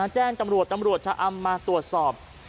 แจ้งตำรวจตำรวจชะอำมาตรวจสอบ